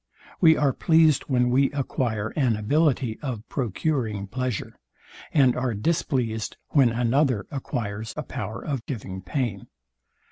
We are pleased when we acquire an ability of procuring pleasure, and are displeased when another acquires a power of giving pain.